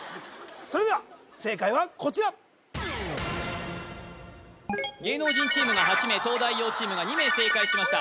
それでは正解はこちら芸能人チームが８名東大王チームが２名正解しました正解は結露を集めるでした